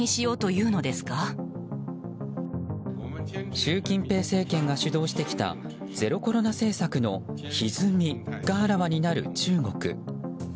習近平政権が主導してきたゼロコロナ政策のひずみがあらわになる中国。